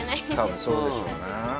多分そうでしょうね